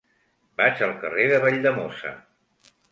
Vaig al carrer de Valldemossa.